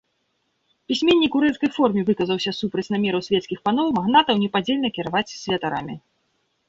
Пісьменнік у рэзкай форме выказаўся супраць намераў свецкіх паноў, магнатаў непадзельна кіраваць святарамі.